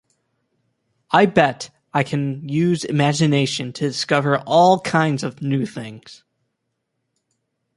I bet I can use imagination to discover all kinds of new things!